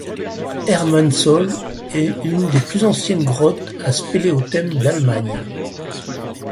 Erdmannshöhle est une des plus anciennes grottes à spéléothèmes d'Allemagne.